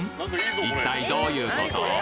一体どういうこと？